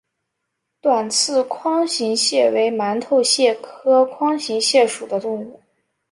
短刺筐形蟹为馒头蟹科筐形蟹属的动物。